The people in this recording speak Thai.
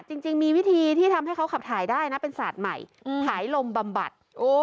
จริงมีวิธีที่ทำให้เขาขับถ่ายได้นะเป็นศาสตร์ใหม่ถ่ายลมบำบัด